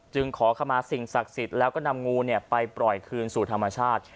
ขอเข้ามาสิ่งศักดิ์สิทธิ์แล้วก็นำงูไปปล่อยคืนสู่ธรรมชาติ